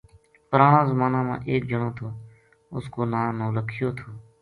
پرانا زمانا ما ایک جنو تھو اس کو نا نولکھیو تھو